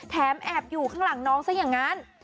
แอบอยู่ข้างหลังน้องซะอย่างนั้น